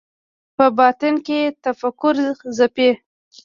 په باطن کې تفکر ځپي